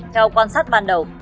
theo quan sát ban đầu